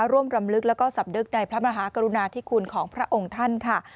รำลึกแล้วก็สำนึกในพระมหากรุณาธิคุณของพระองค์ท่านค่ะ